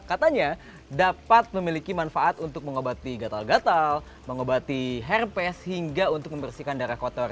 katanya dapat memiliki manfaat untuk mengobati gatal gatal mengobati hair pass hingga untuk membersihkan darah kotor